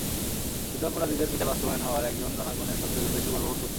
যুদ্ধাপরাধীদের বিচার বাস্তবায়ন হওয়ায় একজন রণাঙ্গনের সক্রিয় যোদ্ধা হিসেবে গর্ববোধ করছি।